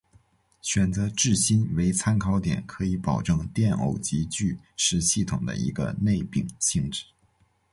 选择质心为参考点可以保证电偶极矩是系统的一个内禀性质。